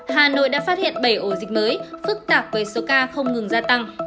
hà nội đã phát hiện bảy ổ dịch mới phức tạp với số ca không ngừng gia tăng